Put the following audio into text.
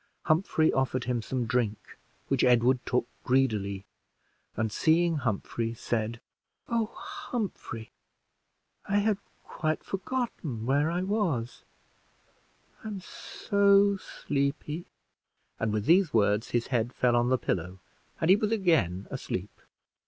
Humphrey offered him some drink, which Edward took greedily; and seeing Humphrey, said "Oh, Humphrey, I had quite forgotten where I was I'm so sleepy!" and with these words his head fell on the pillow, and he was again asleep.